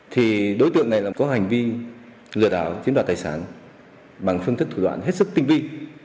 thì đối tượng này có hành vi lừa đảo chiếm đoạt tài sản bằng phương thức thủ đoạn hết sức tinh vi